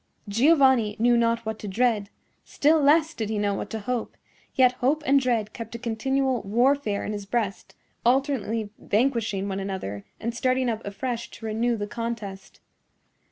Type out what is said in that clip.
Giovanni knew not what to dread; still less did he know what to hope; yet hope and dread kept a continual warfare in his breast, alternately vanquishing one another and starting up afresh to renew the contest.